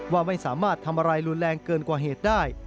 ว่าไม่สามารถทำอะไรรุนแรงเกินกว่าเหตุได้